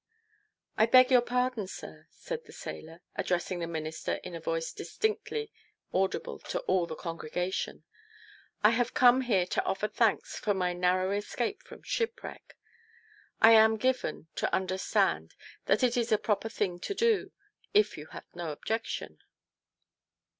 " I beg your pardon, sir," said the sailor, addressing the minister in a voice distinctly audible to all the congregation. "I have come here to offer thanks for iny narrow escape from shipwreck. I am given to TO PLEASE HIS WIFE 101 understand that it is a proper thing to do, if you have no objection